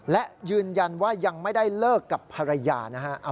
และยืนยันว่ายังไม่ได้เลิกกับภรรยานะฮะ